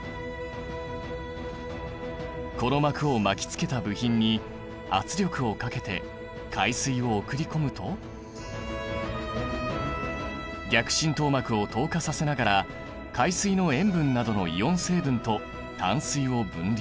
この膜を巻きつけた部品に逆浸透膜を透過させながら海水の塩分などのイオン成分と淡水を分離。